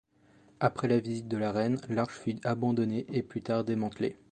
Après la visite de la reine, l'arche fut abandonnée et plus tard démantelée.